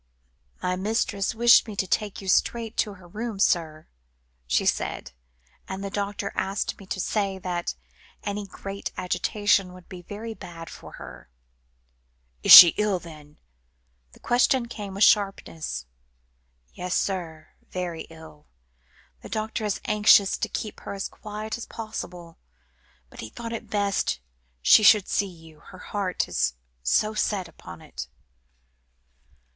"My mistress wished me to take you straight to her room, sir," she said; "and the doctor asked me to say, that any great agitation would be very bad for her." "Is she ill, then?" The question came with sharpness. "Yes, sir, very ill. The doctor is anxious to keep her as quiet as possible; but he thought it best she should see you, her heart is so set upon it."